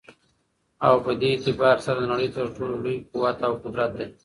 او په دي اعتبار سره دنړۍ تر ټولو لوى قوت او قدرت دى